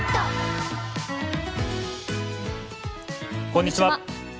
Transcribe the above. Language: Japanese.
こんにちは。